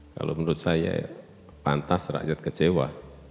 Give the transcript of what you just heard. kalau menurut saya pantas rakyat kecewa